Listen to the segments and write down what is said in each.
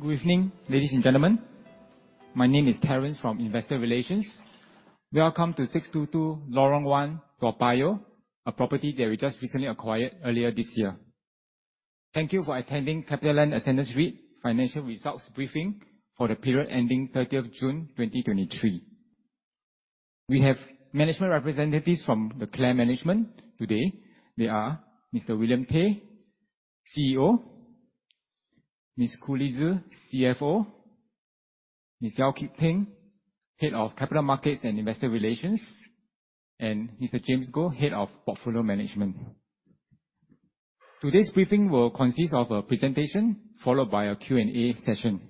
Good evening, ladies and gentlemen. My name is Terence from Investor Relations. Welcome to 622 Lorong 1 Toa Payoh, a property that we just recently acquired earlier this year. Thank you for attending CapitaLand Ascendas REIT's financial results briefing for the period ending 30th June 2023. We have management representatives from the client management today. They are Mr. William Tay, CEO; Ms. Koo Lee Sze, CFO; Ms. Yeow Kit Peng, Head, Capital Markets & Investor Relations; and Mr. James Goh, Head, Portfolio Management. Today's briefing will consist of a presentation followed by a Q&A session.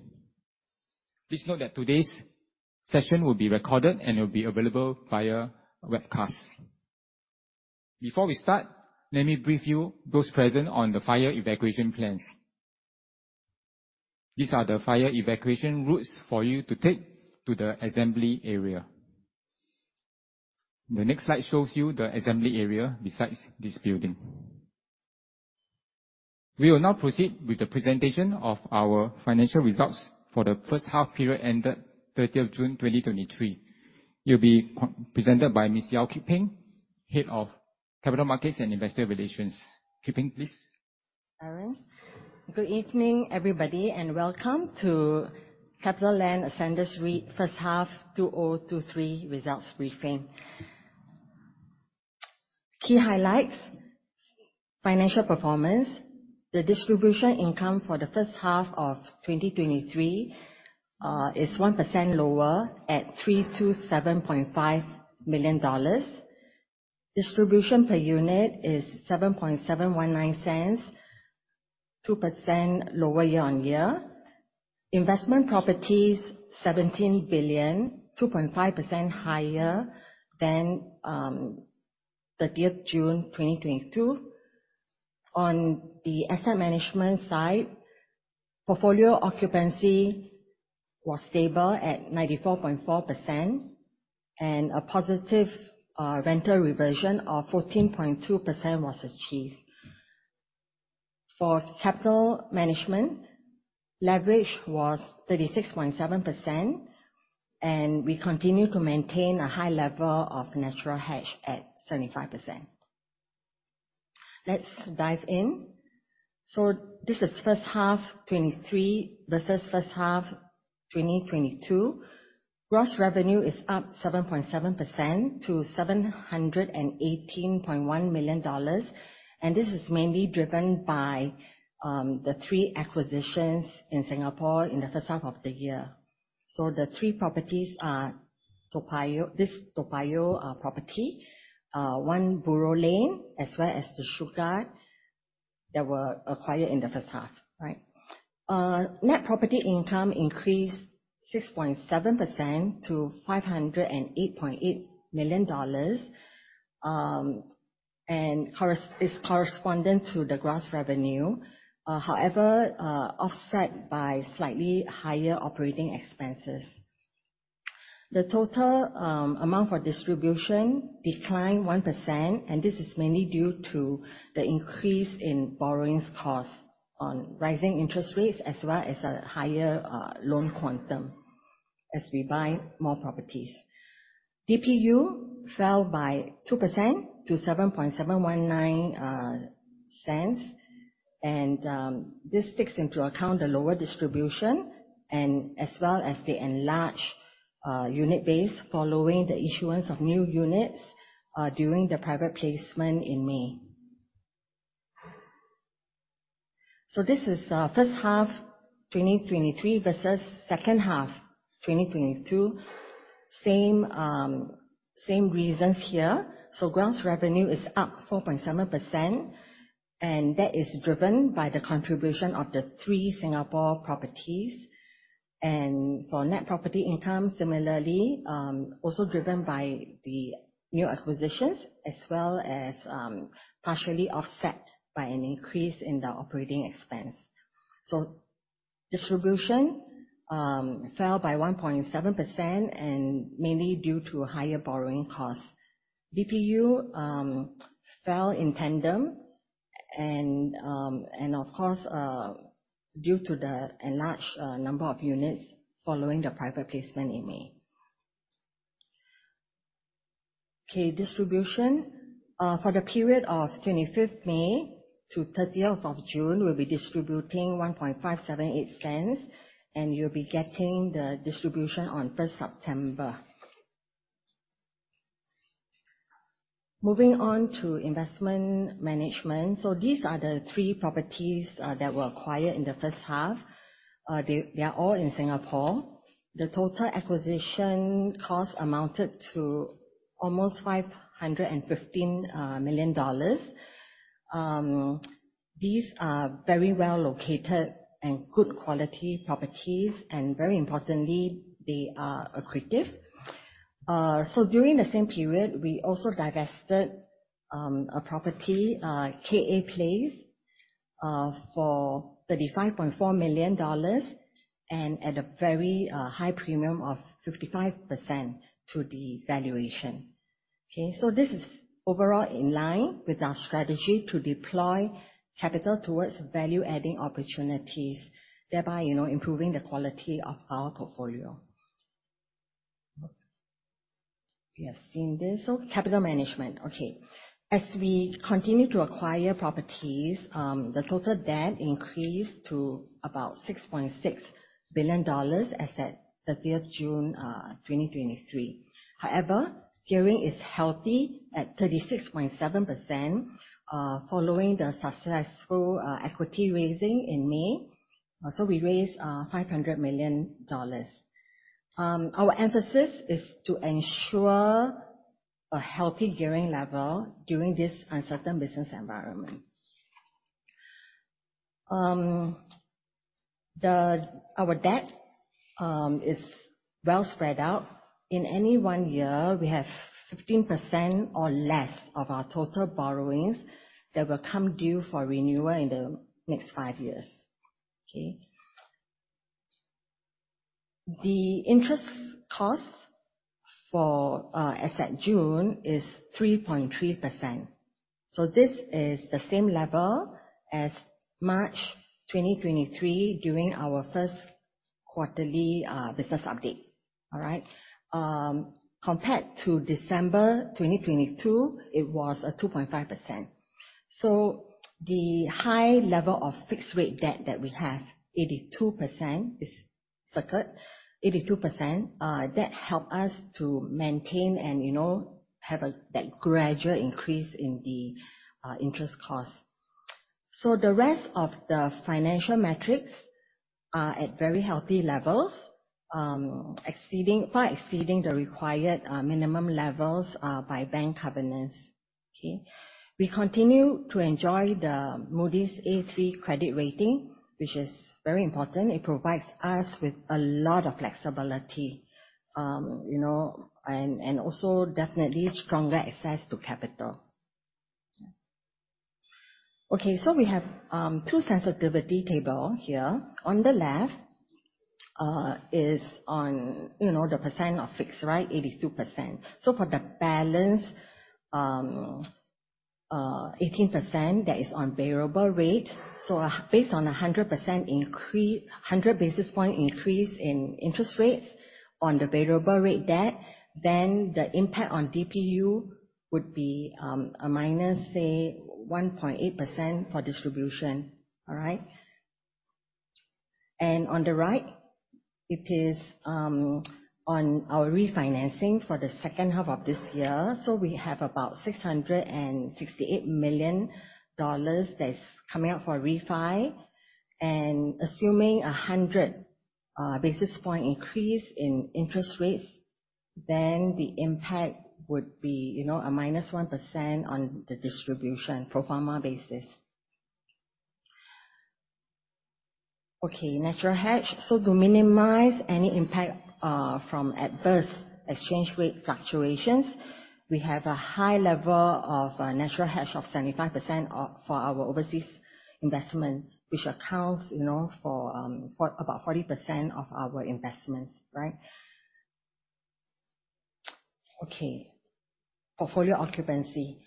Please note that today's session will be recorded and will be available via webcast. Before we start, let me brief you, those present, on the fire evacuation plans. These are the fire evacuation routes for you to take to the assembly area. The next slide shows you the assembly area besides this building. We will now proceed with the presentation of our financial results for the first half period ended 30th June 2023. It will be presented by Ms. Yeow Kit Peng, Head, Capital Markets & Investor Relations. Kit Peng, please. Terence. Good evening, everybody, and welcome to CapitaLand Ascendas REIT first half 2023 results briefing. Key highlights. Financial performance. The distribution income for the first half of 2023, is 1% lower at 327.5 million dollars. Distribution per unit is 0.07719, 2% lower year-on-year. Investment properties 17 billion, 2.5% higher than 30th June 2022. On the asset management side, portfolio occupancy was stable at 94.4%, and a positive rental reversion of 14.2% was achieved. For capital management, leverage was 36.7%, and we continue to maintain a high level of natural hedge at 75%. This is first half 2023 versus first half 2022. Gross revenue is up 7.7% to 718.1 million dollars, and this is mainly driven by the three acquisitions in Singapore in the first half of the year. The three properties are this Toa Payoh property, 1 Buroh Lane, as well as The Shugart that were acquired in the first half. Net Property Income increased 6.7% to 508.8 million dollars, and is correspondent to the gross revenue. However, offset by slightly higher operating expenses. The total amount for distribution declined 1%, and this is mainly due to the increase in borrowings costs on rising interest rates, as well as a higher loan quantum as we buy more properties. DPU fell by 2% to 0.07719, and this takes into account the lower distribution and as well as the enlarged unit base following the issuance of new units during the private placement in May. This is first half 2023 versus second half 2022. Same reasons here. Gross revenue is up 4.7%, and that is driven by the contribution of the three Singapore properties. For NPI, similarly, also driven by the new acquisitions as well as partially offset by an increase in the OpEx. Distribution fell by 1.7% mainly due to higher borrowing costs. DPU fell in tandem due to the enlarged number of units following the private placement in May. Distribution for the period of 25th May to 30th of June, we will be distributing 0.01578, and you will be getting the distribution on 1st September. Investment management. These are the three properties that were acquired in the first half. They are all in Singapore. The total acquisition cost amounted to almost 515 million dollars. These are very well located and good quality properties, they are accretive. During the same period, we also divested a property, KA Place, for 35.4 million dollars at a very high premium of 55% to the valuation. This is overall in line with our strategy to deploy capital towards value-adding opportunities, thereby improving the quality of our portfolio. You have seen this. Capital management. As we continue to acquire properties, the total debt increased to about 6.6 billion dollars as at 30th June 2023. However, gearing is healthy at 36.7% following the successful equity raising in May. We raised 500 million dollars. Our emphasis is to ensure a healthy gearing level during this uncertain business environment. Our debt is well spread out. In any one year, we have 15% or less of our total borrowings that will come due for renewal in the next five years. The interest cost as at June is 3.3%. This is the same level as March 2023 during our 1st quarterly business update. Compared to December 2022, it was at 2.5%. The high level of fixed rate debt that we have, 82%, that help us to maintain and have that gradual increase in the interest cost. The rest of the financial metrics are at very healthy levels, far exceeding the required minimum levels by bank covenants. We continue to enjoy the Moody's A3 credit rating, which is very important. It provides us with a lot of flexibility, and also definitely stronger access to capital. We have two sensitivity table here. On the left is on the percent of fixed, 82%. For the balance, 18% that is on variable rate. Based on 100 basis point increase in interest rates on the variable rate debt, then the impact on DPU would be a minus 1.8% for distribution. On the right, it is on our refinancing for the 2nd half of this year. We have about 668 million dollars that is coming up for refi. Assuming 100 basis point increase in interest rates, then the impact would be a minus 1% on the distribution pro forma basis. Natural hedge. To minimize any impact from adverse exchange rate fluctuations, we have a high level of natural hedge of 75% for our overseas investment, which accounts for about 40% of our investments. Portfolio occupancy.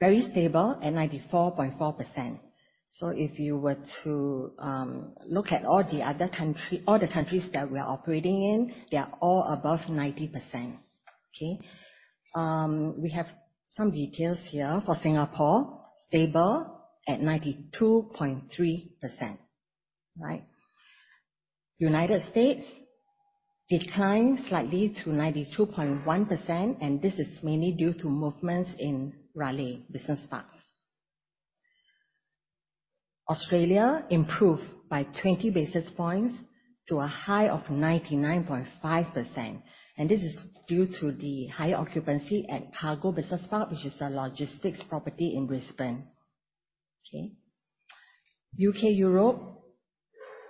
Very stable at 94.4%. If you were to look at all the countries that we are operating in, they are all above 90%. We have some details here. For Singapore, stable at 92.3%, right. U.S. declined slightly to 92.1%, and this is mainly due to movements in Raleigh Business Parks. Australia improved by 20 basis points to a high of 99.5%, and this is due to the high occupancy at Cargo Business Park, which is a logistics property in Brisbane. Okay. U.K., Europe,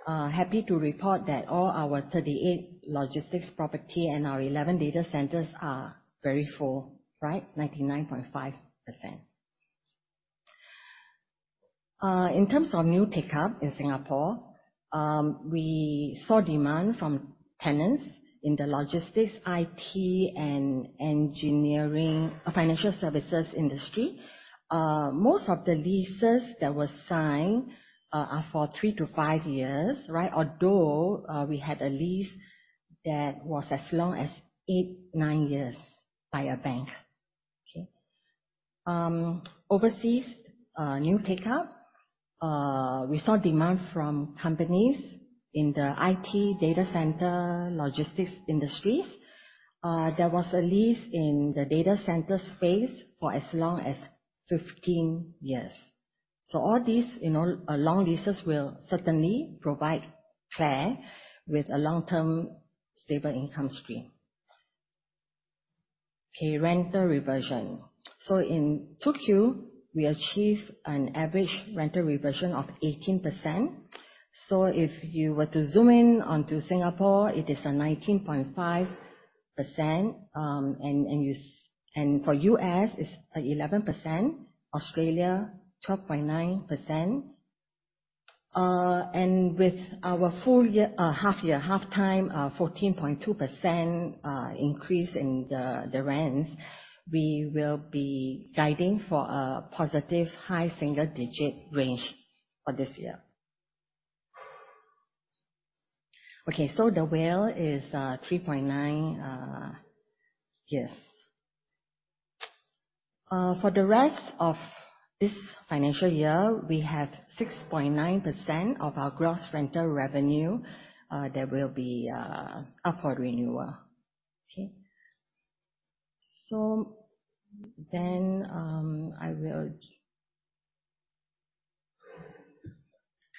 happy to report that all our 38 logistics property and our 11 data centers are very full, right. 99.5%. In terms of new take-up in Singapore, we saw demand from tenants in the logistics, IT and engineering, financial services industry. Most of the leases that were signed are for three to five years, right. Although we had a lease that was as long as eight, nine years by a bank. Okay. Overseas new take-up, we saw demand from companies in the IT, data center, logistics industries. There was a lease in the data center space for as long as 15 years. All these long leases will certainly provide CLAR with a long-term stable income stream. Okay, rental reversion. In 2Q, we achieved an average rental reversion of 18%. If you were to zoom in onto Singapore, it is a 19.5%. For U.S., it's 11%, Australia 12.9%. With our half year, half time, 14.2% increase in the rents, we will be guiding for a positive high single-digit range for this year. Okay, the WALE is 3.9 years. For the rest of this financial year, we have 6.9% of our gross rental revenue that will be up for renewal. Okay. Then, I will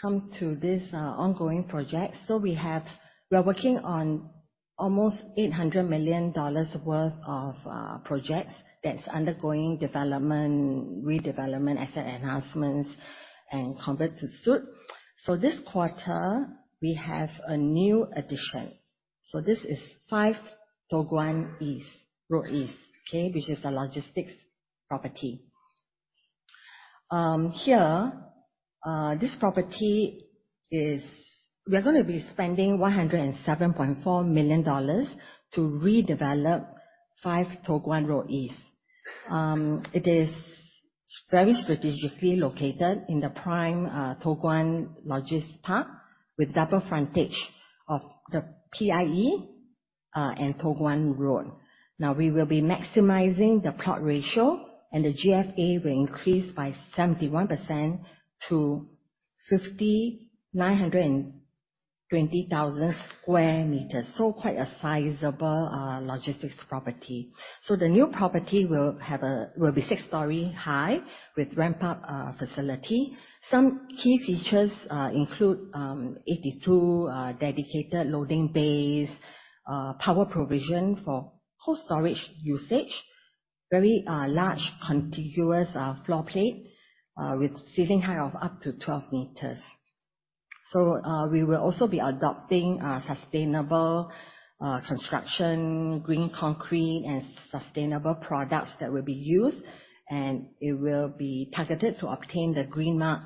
come to this ongoing project. We are working on almost 800 million dollars worth of projects that's undergoing development, redevelopment, asset enhancements, and convert to suite. This quarter, we have a new addition. This is 5 Toh Guan Road East. Okay, which is a logistics property. We are going to be spending 107.4 million dollars to redevelop 5 Toh Guan Road East. It is very strategically located in the prime Toh Guan logistics park, with double frontage of the PIE and Toh Guan Road. We will be maximizing the plot ratio, and the GFA will increase by 71% to 57,920 sq m. Quite a sizable logistics property. The new property will be six stories high with ramp-up facility. Some key features include 82 dedicated loading bays, power provision for cold storage usage, very large contiguous floor plate with ceiling height of up to 12 m. We will also be adopting sustainable construction, green concrete, and sustainable products that will be used, and it will be targeted to obtain the Green Mark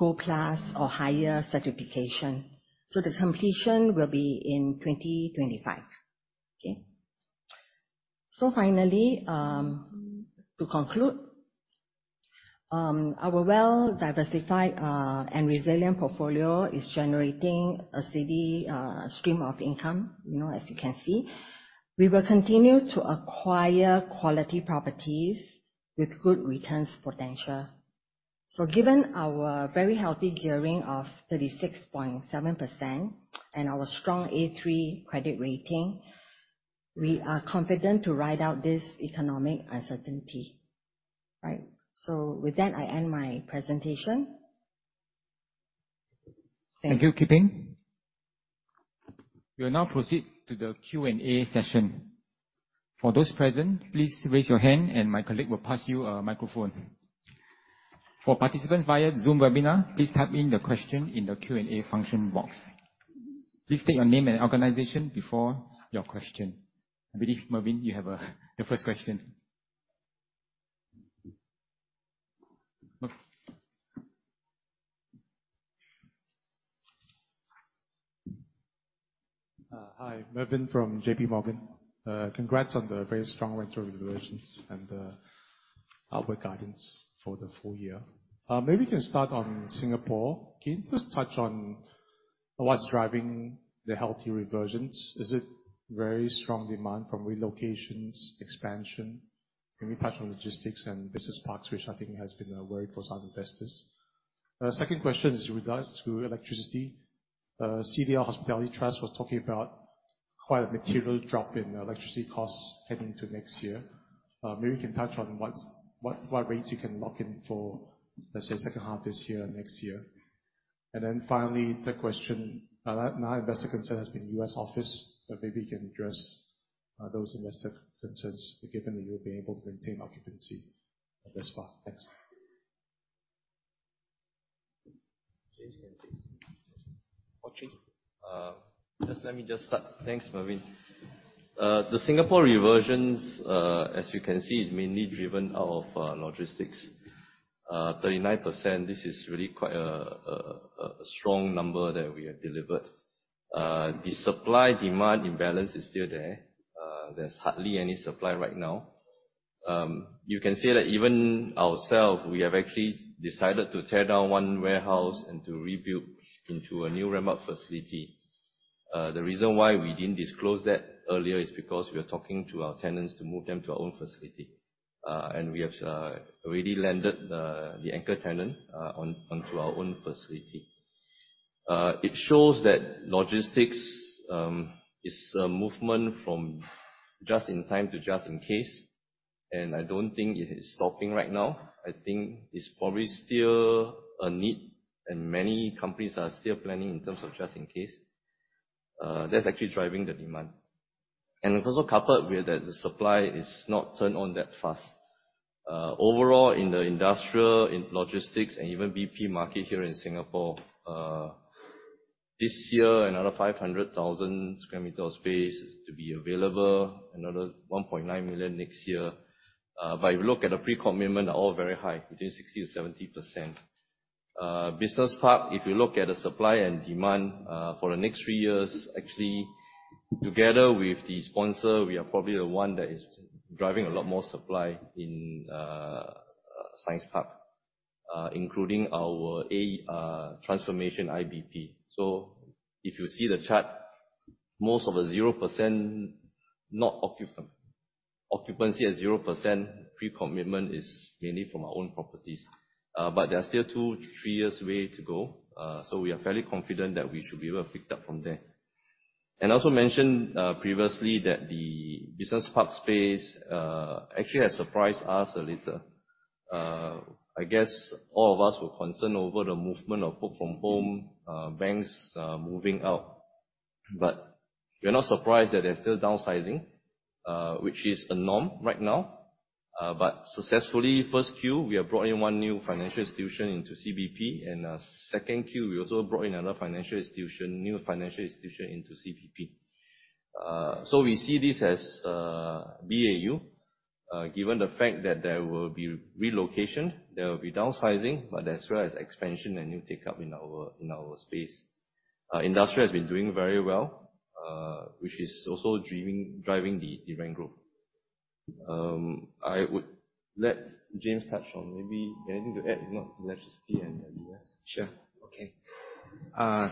GoldPLUS or higher certification. The completion will be in 2025. Okay. Finally, to conclude, our well-diversified and resilient portfolio is generating a steady stream of income, as you can see. We will continue to acquire quality properties with good returns potential. Given our very healthy gearing of 36.7% and our strong Moody's A3 credit rating, we are confident to ride out this economic uncertainty. Right. With that, I end my presentation. Thank you. Thank you, Kit Peng. We will now proceed to the Q&A session. For those present, please raise your hand and my colleague will pass you a microphone. For participants via Zoom webinar, please type in the question in the Q&A function box. Please state your name and organization before your question. I believe, Mervin, you have the first question. Merv. Hi. Mervin from J.P. Morgan. Congrats on the very strong rental reversions and the upward guidance for the full year. Maybe you can start on Singapore. Can you please touch on what's driving the healthy reversions? Is it very strong demand from relocations, expansion? Can you touch on logistics and business parks, which I think has been a worry for some investors? Second question is regards to electricity. CDL Hospitality Trust was talking about quite a material drop in electricity costs heading into next year. Maybe you can touch on what rates you can lock in for, let's say, second half this year and next year. Finally, third question. My investor concern has been U.S. office, but maybe you can address those investor concerns, given that you'll be able to maintain occupancy thus far. Thanks. James and Jason. Oh, James. Let me just start. Thanks, Mervin. The Singapore reversions, as you can see, is mainly driven out of logistics. 39%, this is really quite a strong number that we have delivered. The supply-demand imbalance is still there. There's hardly any supply right now. You can see that even ourself, we have actually decided to tear down one warehouse and to rebuild into a new ramp-up facility. The reason why we didn't disclose that earlier is because we are talking to our tenants to move them to our own facility. We have already landed the anchor tenant onto our own facility. It shows that logistics is a movement from just in time to just in case, and I don't think it is stopping right now. I think it's probably still a need, and many companies are still planning in terms of just in case. That's actually driving the demand. Also coupled with that, the supply is not turned on that fast. Overall, in the industrial, in logistics, and even BP market here in Singapore. This year, another 500,000 square meters of space is to be available, another 1.9 million next year. If you look at the pre-commitment, they're all very high, between 60%-70%. Business park, if you look at the supply and demand for the next three years, actually, together with the sponsor, we are probably the one that is driving a lot more supply in Science Park, including our AEI transformation IBP. If you see the chart, Occupancy at 0%, pre-commitment is mainly from our own properties. There are still two to three years way to go, so we are fairly confident that we should be able to pick up from there. I also mentioned previously that the business park space actually has surprised us a little. I guess all of us were concerned over the movement of work from home, banks moving out. We are not surprised that they're still downsizing, which is a norm right now. Successfully, first Q, we have brought in one new financial institution into CBP, and second Q, we also brought in another new financial institution into CBP. We see this as BAU, given the fact that there will be relocation, there will be downsizing, but as well as expansion and new take up in our space. Industrial has been doing very well, which is also driving the rent growth. I would let James touch on maybe anything to add, if not, electricity and U.S. Sure. Okay.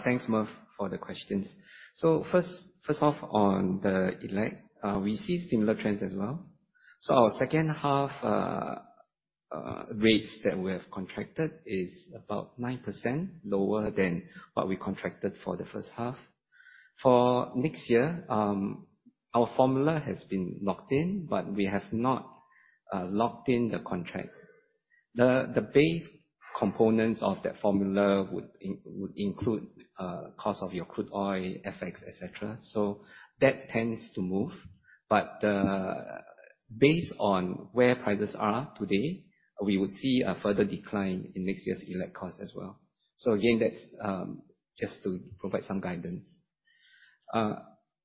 Thanks, Merv, for the questions. First off on the elect, we see similar trends as well. Our second half rates that we have contracted is about 9% lower than what we contracted for the first half. For next year, our formula has been locked in, but we have not locked in the contract. The base components of that formula would include cost of your crude oil, FX, et cetera. That tends to move. Based on where prices are today, we would see a further decline in next year's elect cost as well. Again, that's just to provide some guidance.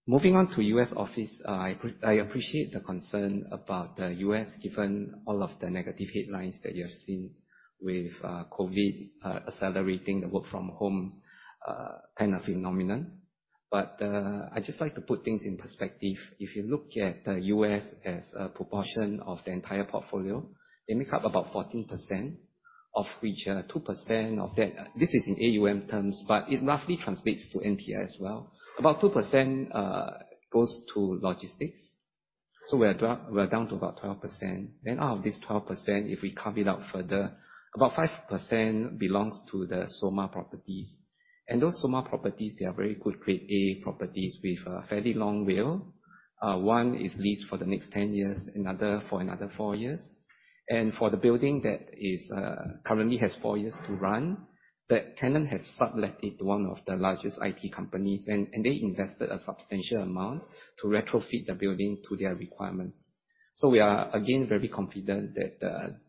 Moving on to U.S. office, I appreciate the concern about the U.S., given all of the negative headlines that you have seen with COVID accelerating the work from home kind of phenomenon. I'd just like to put things in perspective. If you look at the U.S. as a proportion of the entire portfolio, they make up about 14%, of which 2% of that This is in AUM terms, but it roughly translates to NPI as well. About 2% goes to logistics. We're down to about 12%. Out of this 12%, if we carve it out further, about 5% belongs to the SoMa properties. Those SoMa properties, they are very good grade A properties with a fairly long WALE. One is leased for the next 10 years, another for another four years. For the building that currently has four years to run, that tenant has sublet it to one of the largest IT companies, and they invested a substantial amount to retrofit the building to their requirements. We are, again, very confident that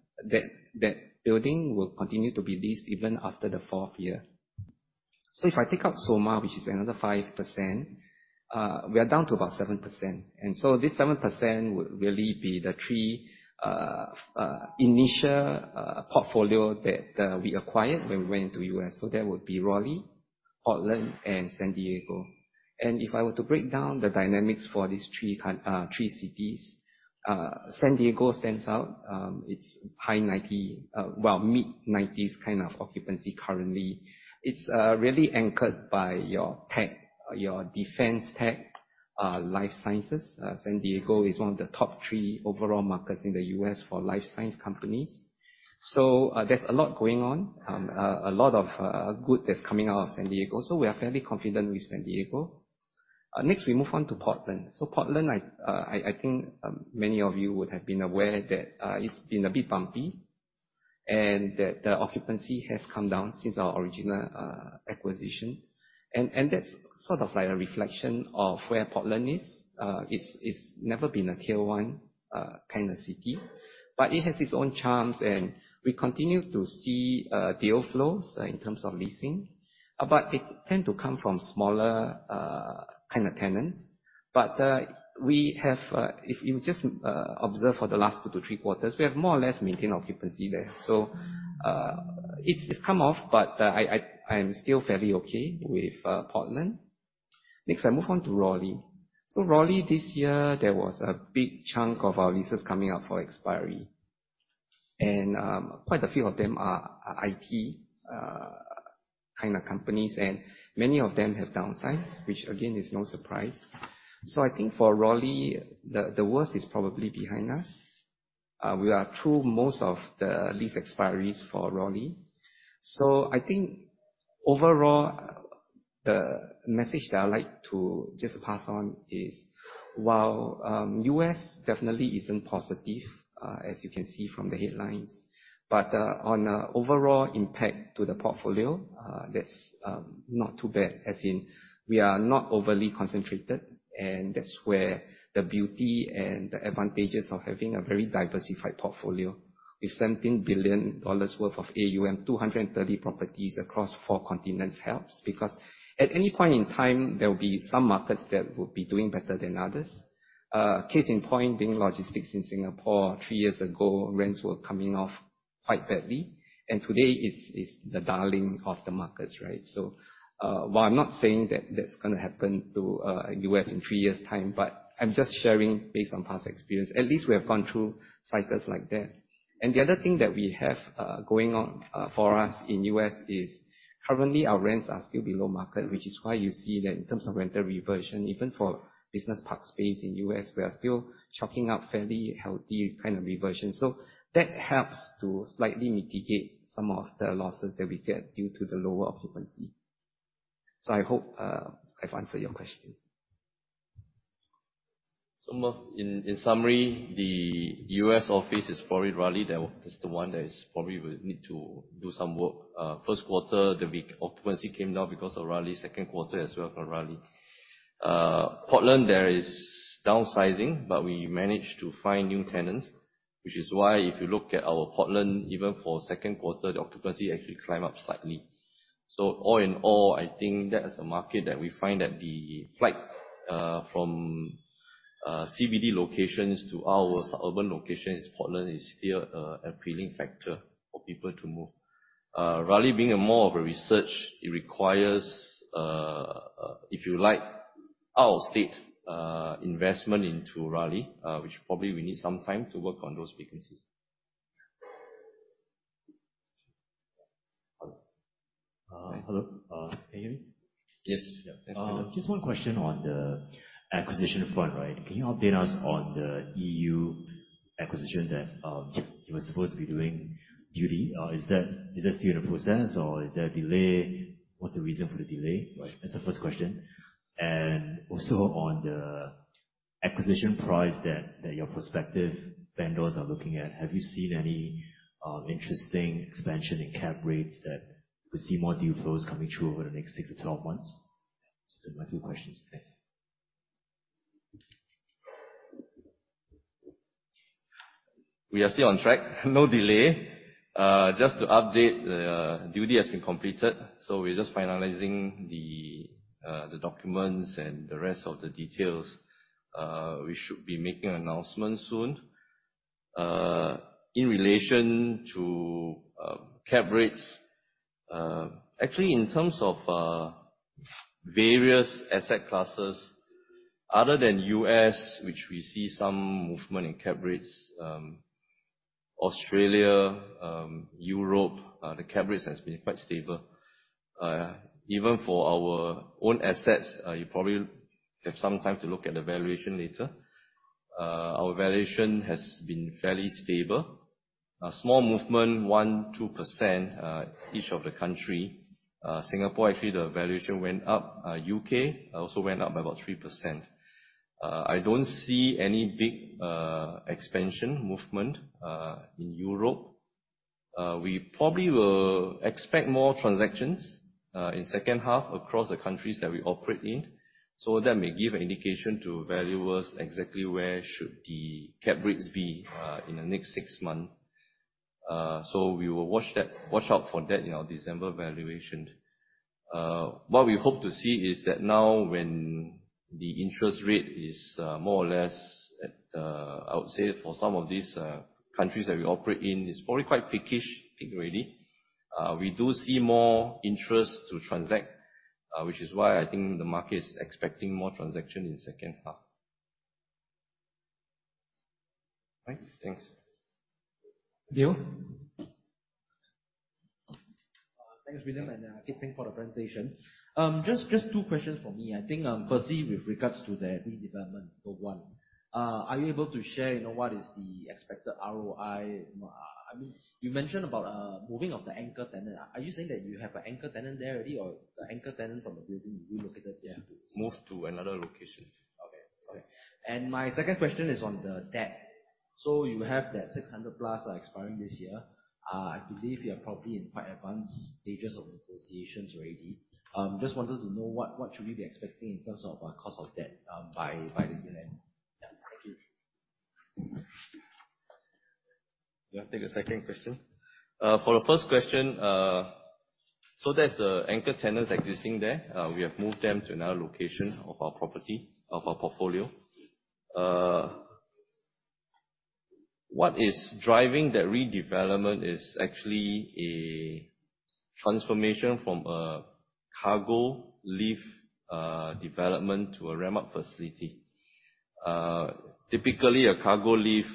that building will continue to be leased even after the fourth year. If I take out SoMa, which is another 5%, we are down to about 7%. This 7% would really be the three initial portfolio that we acquired when we went into U.S. That would be Raleigh, Portland, and San Diego. If I were to break down the dynamics for these three cities, San Diego stands out. It's mid-'90s kind of occupancy currently. It's really anchored by your tech, your defense tech, life sciences. San Diego is one of the top three overall markets in the U.S. for life science companies. There's a lot going on, a lot of good that's coming out of San Diego. We are fairly confident with San Diego. Next, we move on to Portland. Portland, I think many of you would have been aware that it's been a bit bumpy, and that the occupancy has come down since our original acquisition. That's sort of like a reflection of where Portland is. It's never been a tier 1 kind of city. It has its own charms, and we continue to see deal flows in terms of leasing. They tend to come from smaller kind of tenants. If you just observe for the last two to three quarters, we have more or less maintained occupancy there. It's come off, but I am still fairly okay with Portland. Next, I move on to Raleigh. Raleigh, this year, there was a big chunk of our leases coming up for expiry. Quite a few of them are IT kind of companies, and many of them have downsized, which again is no surprise. I think for Raleigh, the worst is probably behind us. We are through most of the lease expiries for Raleigh. I think overall, the message that I'd like to just pass on is while U.S. definitely isn't positive, as you can see from the headlines. On an overall impact to the portfolio, that's not too bad, as in we are not overly concentrated, and that's where the beauty and the advantages of having a very diversified portfolio With SGD 17 billion worth of AUM, 230 properties across four continents helps. At any point in time, there will be some markets that will be doing better than others. Case in point, being logistics in Singapore, three years ago, rents were coming off quite badly, and today it's the darling of the markets, right? While I'm not saying that's going to happen to U.S. in three years time, I'm just sharing based on past experience. At least we have gone through cycles like that. The other thing that we have going on for us in U.S. is currently our rents are still below market, which is why you see that in terms of rental reversion, even for business park space in U.S., we are still chalking up fairly healthy kind of reversion. That helps to slightly mitigate some of the losses that we get due to the lower occupancy. I hope I've answered your question. In summary, the U.S. office is probably Raleigh. That's the one that probably we need to do some work. First quarter, the occupancy came down because of Raleigh. Second quarter as well for Raleigh. Portland, there is downsizing, but we managed to find new tenants, which is why if you look at our Portland, even for second quarter, the occupancy actually climb up slightly. All in all, I think that is a market that we find that the flight from CBD locations to our suburban location in Portland is still an appealing factor for people to move. Raleigh being a more of a research, it requires, if you like, out-of-state investment into Raleigh, which probably we need some time to work on those vacancies. Hello. Hello. Can you hear me? Yes. Just one question on the acquisition front. Can you update us on the EU acquisition that you were supposed to be doing duty? Is that still in the process or is there a delay? What's the reason for the delay? That's the first question. On the acquisition price that your prospective vendors are looking at, have you seen any interesting expansion in cap rates that we could see more deal flows coming through over the next 6 to 12 months? Those are my two questions. Thanks. We are still on track. No delay. Just to update, the duty has been completed. We are just finalizing the documents and the rest of the details. We should be making an announcement soon. In relation to cap rates, actually in terms of various asset classes, other than U.S., which we see some movement in cap rates, Australia, Europe, the cap rates has been quite stable. Even for our own assets, you probably have some time to look at the valuation later. Our valuation has been fairly stable. A small movement, 1%, 2%, each of the country. Singapore, actually, the valuation went up. U.K. also went up by about 3%. I don't see any big expansion movement, in Europe. We probably will expect more transactions in second half across the countries that we operate in. That may give an indication to valuers exactly where should the cap rates be in the next 6 months. We will watch out for that in our December valuation. What we hope to see is that now when the interest rate is more or less at, I would say for some of these countries that we operate in, it's probably quite peakish peak already. We do see more interest to transact, which is why I think the market is expecting more transaction in the second half. Right. Thanks. Leo. Thanks, William, and thanks for the presentation. Just two questions from me. I think firstly with regards to the redevelopment of Toh Guan. Are you able to share what is the expected ROI? You mentioned about moving of the anchor tenant. Are you saying that you have an anchor tenant there already or anchor tenant from the building you relocated there to- Move to another location. Okay. My second question is on the debt. You have that 600 plus expiring this year. I believe you are probably in quite advanced stages of negotiations already. Just wanted to know what should we be expecting in terms of cost of debt by the year end? Thank you. You want to take the second question? For the first question, that's the anchor tenants existing there. We have moved them to another location of our property, of our portfolio. What is driving that redevelopment is actually a transformation from a cargo lift development to a ramp-up facility. Typically, a cargo lift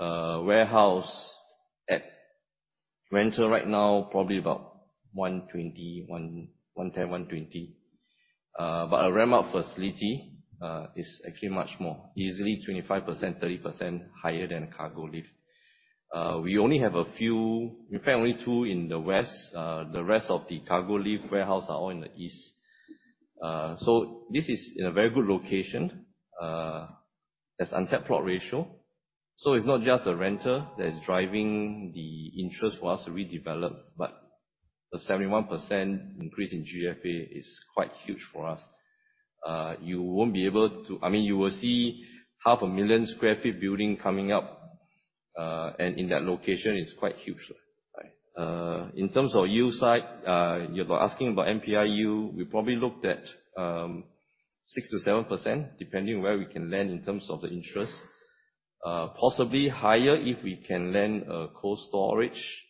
warehouse at rental right now, probably about 120, 110, 120. A ramp-up facility is actually much more. Easily 25%, 30% higher than a cargo lift. We only have a few, in fact, only two in the west. The rest of the cargo lift warehouse are all in the east. This is in a very good location. That's untapped plot ratio. It's not just the rent that is driving the interest for us to redevelop, but the 71% increase in GFA is quite huge for us. You will see half a million sq ft building coming up, and in that location is quite huge. In terms of yield side, you're asking about NPI yield, we probably looked at 6%-7%, depending where we can lend in terms of the interest. Possibly higher if we can lend cold storage,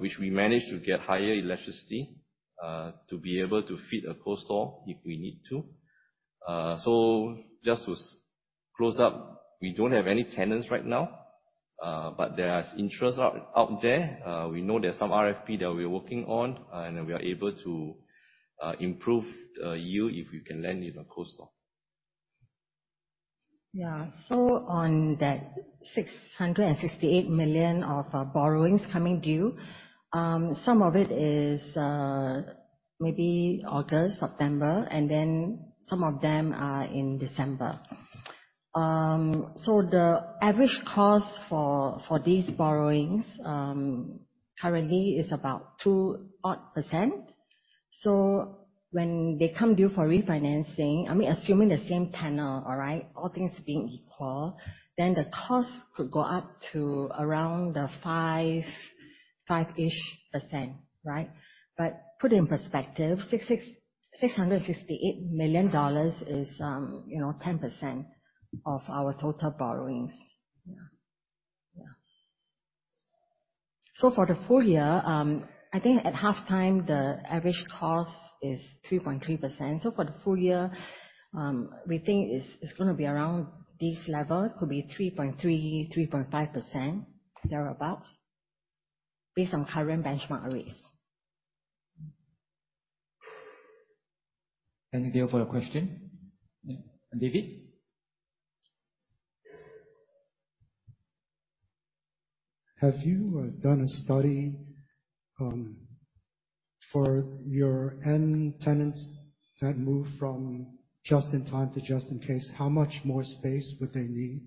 which we manage to get higher electricity, to be able to fit a cold store if we need to. Just to close up, we don't have any tenants right now, but there is interest out there. We know there's some RFP that we are working on, and we are able to improve yield if we can land even cold storage. On that 668 million of borrowings coming due, some of it is maybe August, September, and then some of them are in December. The average cost for these borrowings currently is about 2% odd. When they come due for refinancing, assuming the same tenant, all things being equal, then the cost could go up to around the 5%-ish. Put it in perspective, 668 million dollars is 10% of our total borrowings. For the full year, I think at half time, the average cost is 3.3%. For the full year, we think it's going to be around this level. Could be 3.3%-3.5%, thereabout, based on current benchmark rates. Thank you, Gail, for your question. David? Have you done a study for your end tenants that move from just in time to just in case? How much more space would they need?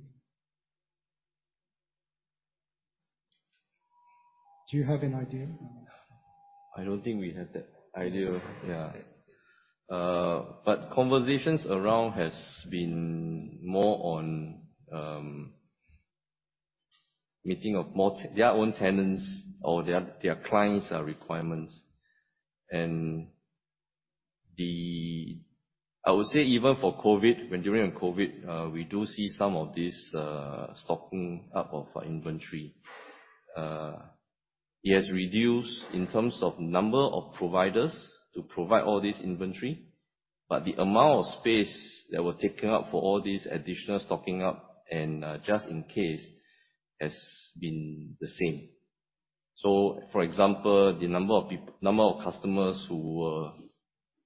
Do you have any idea? I don't think we have that idea. Yeah. Conversations around has been more on meeting of their own tenants or their clients' requirements. I would say even for COVID, when during COVID, we do see some of this stocking up of inventory. It has reduced in terms of number of providers to provide all this inventory, but the amount of space that were taken up for all this additional stocking up and just in case has been the same. For example, the number of customers who were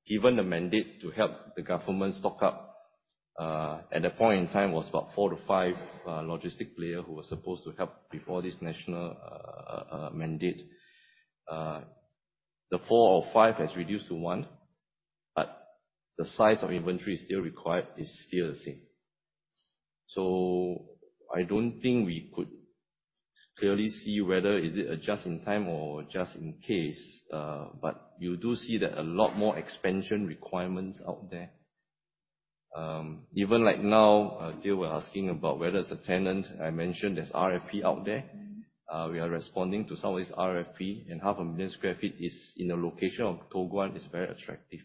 given the mandate to help the government stock up, at that point in time was about four to five logistic players who were supposed to help before this national mandate. The four or five has reduced to one, but the size of inventory still required is still the same. I don't think we could clearly see whether is it a just in time or just in case, but you do see that a lot more expansion requirements out there. Even like now, Gail was asking about whether as a tenant, I mentioned there is RFP out there. We are responding to some of this RFP, and half a million sq ft is in the location of Toa Payoh is very attractive.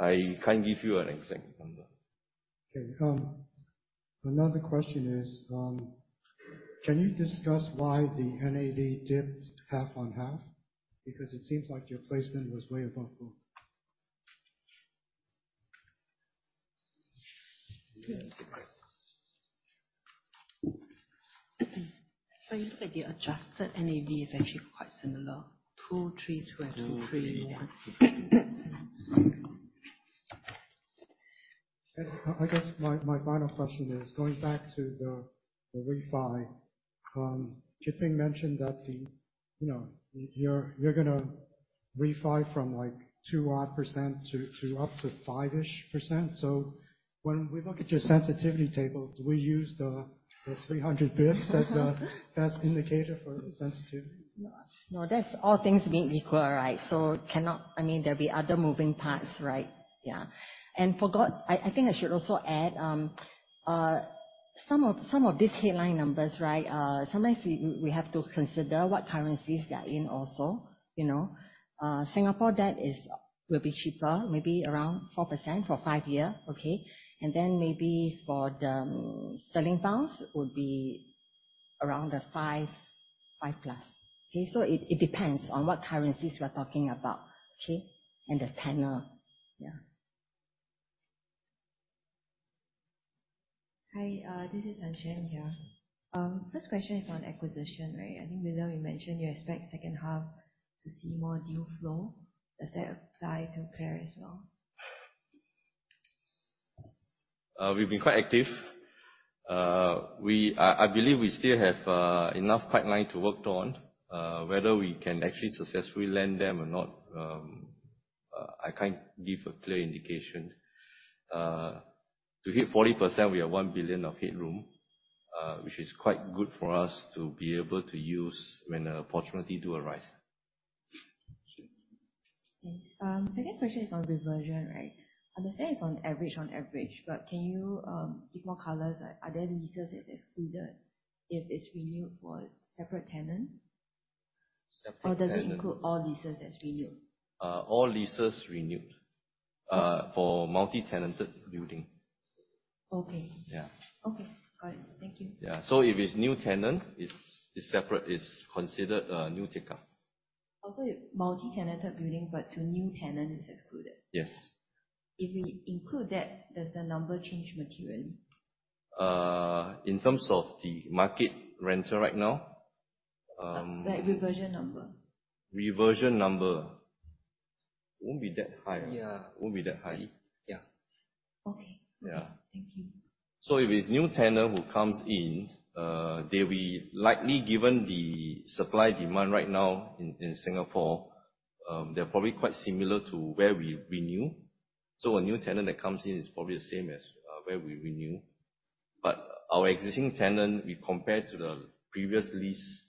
I can't give you an exact number. Okay. Another question is, can you discuss why the NAV dipped half-on-half? It seems like your placement was way above goal. I think the adjusted NAV is actually quite similar. SGD 2.321. 2321. I guess my final question is, going back to the refi. Kit Peng mentioned that you're going to refi from like two odd percent to up to five-ish percent. When we look at your sensitivity table, do we use the 300 basis points as the best indicator for sensitivity? No, that's all things being equal, right? There'll be other moving parts. Yeah. I think I should also add, some of these headline numbers. Sometimes we have to consider what currencies they are in also. Singapore debt will be cheaper, maybe around 4% for five-year. Okay. Then maybe for the sterling pounds would be around the five plus. Okay. It depends on what currencies we're talking about. Okay. And the tenant. Yeah. Hi, this is SanShea. I'm here. First question is on acquisition. I think earlier you mentioned you expect second half to see more deal flow. Does that apply to CLAR as well? We've been quite active. I believe we still have enough pipeline to work on, whether we can actually successfully land them or not I can't give a clear indication. To hit 40%, we have 1 billion of headroom, which is quite good for us to be able to use when opportunities do arise. Sure. Okay. Second question is on reversion, right? Understanding it's on average, but can you give more colors? Are there leases that are excluded if it's renewed for a separate tenant? Separate tenant. does it include all leases that's renewed? All leases renewed for multi-tenanted building. Okay. Yeah. Okay. Got it. Thank you. Yeah. If it's a new tenant, it's separate, it's considered a new take-up. Also, a multi-tenanted building, to a new tenant is excluded. Yes. If you include that, does the number change materially? In terms of the market rental right now? That reversion number. Reversion number. It won't be that high. Yeah. It won't be that high. Yeah. Okay. Yeah. Thank you. If it's a new tenant who comes in, they will likely, given the supply-demand right now in Singapore, they're probably quite similar to where we renew. A new tenant that comes in is probably the same as where we renew. Our existing tenant, we compare to the previous lease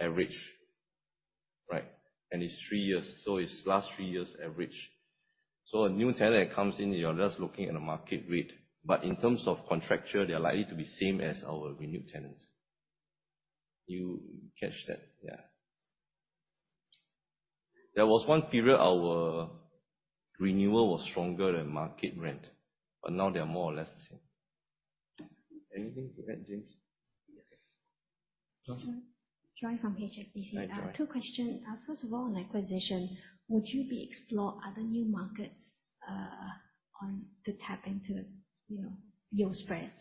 average, right? It's three years, so it's the last three years' average. A new tenant comes in, you're just looking at a market rate. In terms of contractual, they're likely to be the same as our renewed tenants. You catch that? Yeah. There was one period our renewal was stronger than market rent, but now they are more or less the same. Anything to add, James? Yes. Joy? Joy from HSBC here. Hi, Joy. Two questions. First of all, on acquisition, would you be exploring other new markets to tap into yield spreads?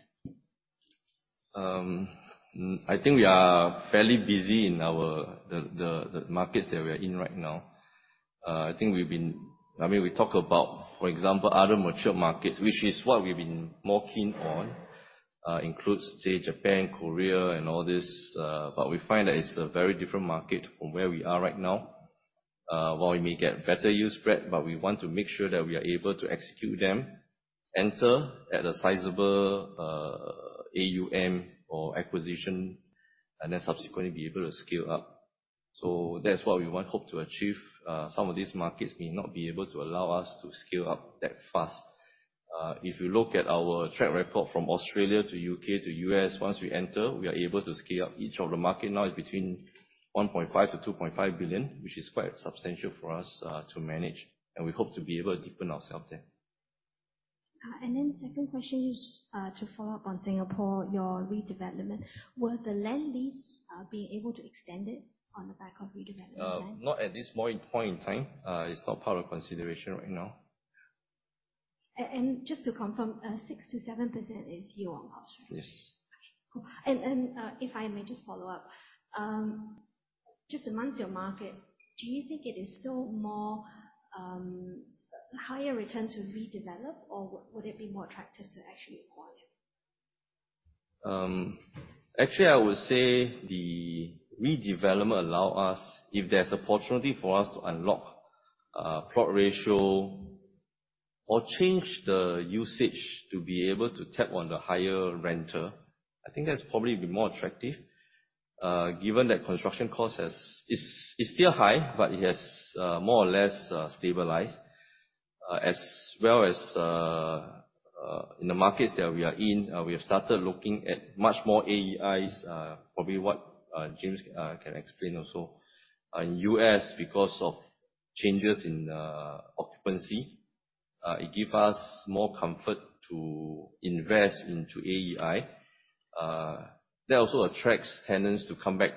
I think we are fairly busy in the markets that we are in right now. We talk about, for example, other mature markets, which is what we've been more keen on, includes, say, Japan, Korea, and all this. We find that it's a very different market from where we are right now. While we may get better yield spread, but we want to make sure that we are able to execute them, enter at a sizable AUM or acquisition, and then subsequently be able to scale up. That's what we hope to achieve. Some of these markets may not be able to allow us to scale up that fast. If you look at our track record from Australia to U.K. to U.S., once we enter, we are able to scale up each of the market. Now it's between 1.5 billion-2.5 billion, which is quite substantial for us to manage, and we hope to be able to deepen ourselves there. Second question is to follow up on Singapore, your redevelopment. Will the land lease be able to extend it on the back of redevelopment plan? Not at this point in time. It's not part of consideration right now. Just to confirm, 6%-7% is yield on cost, right? Yes. Cool. If I may just follow up, just amongst your market, do you think it is still more higher return to redevelop or would it be more attractive to actually acquire? I would say the redevelopment allows us, if there's an opportunity for us to unlock plot ratio or change the usage to be able to tap on the higher renter, I think that's probably be more attractive. Given that construction cost is still high, but it has more or less stabilized. As well as in the markets that we are in, we have started looking at much more AEIs, probably what James can explain also. In the U.S., because of changes in occupancy, it gives us more comfort to invest into AEI. That also attracts tenants to come back.